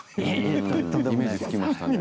うんイメージつきましたね。